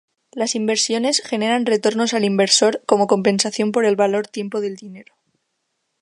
Las inversiones generan retornos al inversor como compensación por el valor tiempo del dinero.